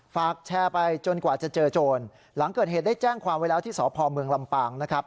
ฝากแชร์ไปจนกว่าจะเจอโจรหลังเกิดเหตุได้แจ้งความไว้แล้วที่สพเมืองลำปางนะครับ